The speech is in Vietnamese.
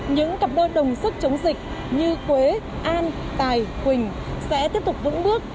những cặp đôi đồng sức chống dịch như quế an tài quỳnh sẽ tiếp tục vững bước